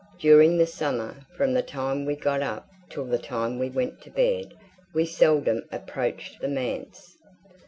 During the summer, from the time we got up till the time we went to bed, we seldom approached the manse.